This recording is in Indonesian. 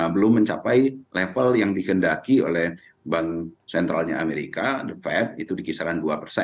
belum mencapai level yang dikendaki oleh bank sentralnya amerika the fed itu di kisaran dua persen